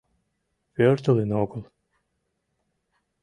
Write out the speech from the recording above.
Пӧртылын огыл.